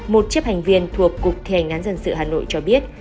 một chấp hành viên thuộc cục thi hành án dân sự hà nội cho biết